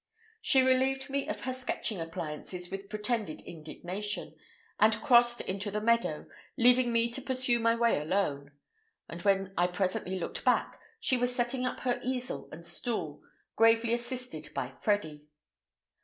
She relieved me of her sketching appliances with pretended indignation, and crossed into the meadow, leaving me to pursue my way alone; and when I presently looked back, she was setting up her easel and stool, gravely assisted by Freddy.